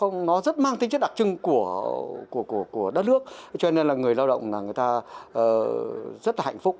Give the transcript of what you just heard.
nó rất mang tính chất đặc trưng của đất nước cho nên là người lao động là người ta rất là hạnh phúc